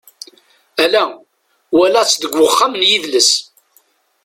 Ala, walaɣ-tt deg wexxam n yidles.